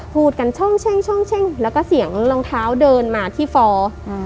พูดกันช่องเช่งแล้วก็เสียงรองเท้าเดินมาที่ฟอร์